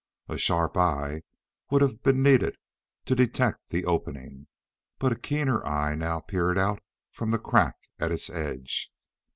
A sharp eye would have been needed to detect the opening. But a keener eye now peered out from the crack at its edge.